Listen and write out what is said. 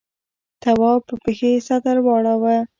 تواب په پښې سطل واړاوه.